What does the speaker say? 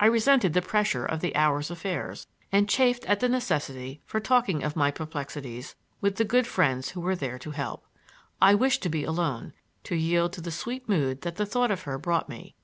I resented the pressure of the hour's affairs, and chafed at the necessity for talking of my perplexities with the good friends who were there to help. I wished to be alone, to yield to the sweet mood that the thought of her brought me.